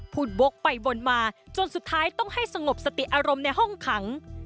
วกไปวนมาจนสุดท้ายต้องให้สงบสติอารมณ์ในห้องขัง